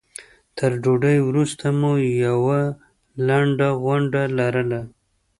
تر ډوډۍ وروسته مو یوه لنډه غونډه لرله.